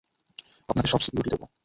আপনাকে সব সিকিউরিটি দেবো।